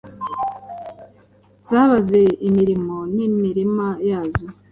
Zabaze imirimo n'imirima, yazo